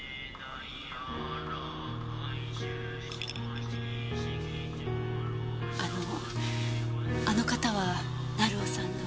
あのあの方は成尾さんの？